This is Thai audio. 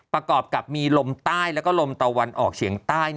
ประกอบกับมีลมใต้แล้วก็ลมตะวันออกเฉียงใต้